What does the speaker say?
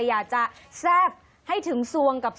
อยากได้เอง